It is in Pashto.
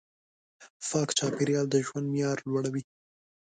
پاک چاپېریال د ژوند معیار لوړوي.